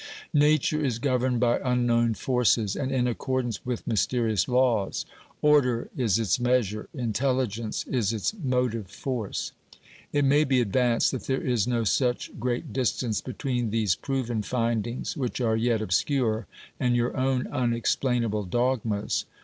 Nature is governed by unknown forces and in accord ance with mysterious laws ; order is its measure, intelligence is its motive force. It may be advanced that there is no such great distance between these proven findings, which 1 68 OBERMANN are yet obscure, and your own unexplainable dogmas.